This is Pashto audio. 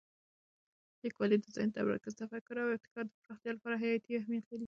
لیکوالی د ذهن تمرکز، تفکر او ابتکار د پراختیا لپاره حیاتي اهمیت لري.